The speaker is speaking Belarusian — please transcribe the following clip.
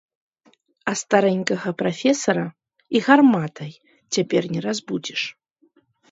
А старэнькага прафесара і гарматай цяпер не разбудзіш.